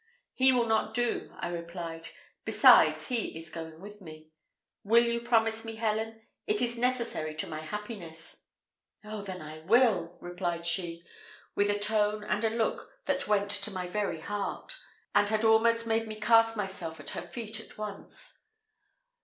"He will not do," I replied. "Besides, he is going with me. Will you promise me, Helen? It is necessary to my happiness." "Oh, then I will," replied she, with a tone and a look that went to my very heart, and had almost made me cast myself at her feet at once.